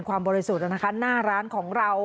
ความบริสุทธิ์แล้วนะคะหน้าร้านของเรา